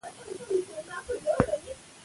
افغانستان د تودوخه له پلوه متنوع دی.